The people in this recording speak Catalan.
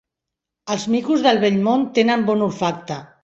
Els micos del Vell Món tenen bon olfacte.